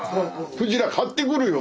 クジラ買ってくるよ